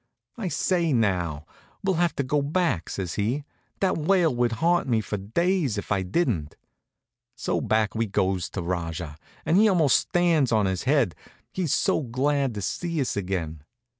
"I say now, we'll have to go back," says he. "That wail would haunt me for days if I didn't." So back we goes to Rajah, and he almost stands on his head, he's so glad to see us again.